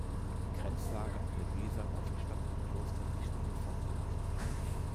Die Grenzlage an der Weser war für Stadt und Kloster nicht immer vorteilhaft.